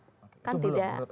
itu belum menurut anda